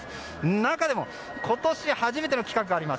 中でも、今年初めての企画があります。